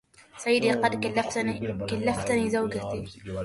سيدي قد كلفتني زوجتي